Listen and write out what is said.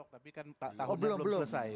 tapi kan tahunnya belum selesai